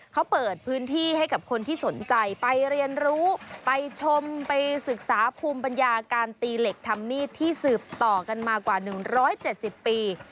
เขาเปิดพื้นที่ให้กับคนที่สนใจไปเรียนรู้ไปชมไปศึกษาภูมิปัญญาการตีเหล็กทำมีดที่สืบต่อกันมากว่า๑๗๐ปี